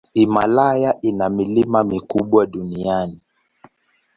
Himalaya ina milima mikubwa duniani.